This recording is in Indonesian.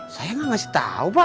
saya gak ngasih tau pak